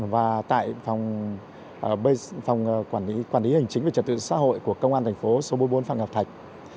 và tại phòng quản lý hành chính và trật tự xã hội của công an thành phố số bốn mươi bốn phạm ngọc thạch